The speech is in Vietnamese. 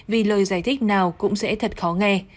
vì lời giải thích nào cũng sẽ thật khó nghe